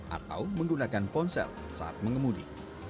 atau menggunakan ponsel saat mengemudi